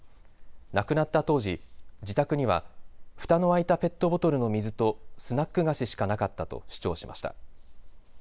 亡くなった当時、自宅にはふたの開いたペットボトルの水とスナック菓子しかなかったと主張しました。